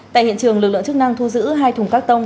tại hiện trường lực lượng chức năng thu giữ hai thùng các tông